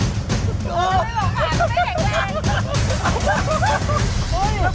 กูบอกเขาไม่แข็งแรง